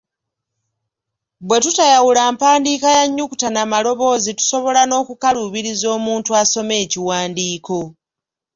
Bwe tutayawula mpandiika ya nnyukuta na malowoozi tusobola n’okukaluubiriza omuntu asoma ekiwandiiko.